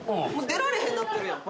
出られへんなってるやん。